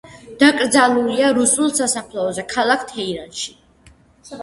დაკრძალულია რუსულ სასაფლაოზე ქალაქ თეირანში.